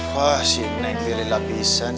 wah si nek beli lapisan